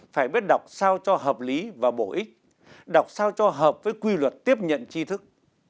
phải biết đọc sao cho hợp lý và bổ ích đọc sao cho hợp với quy luật tiếp nhận chi thức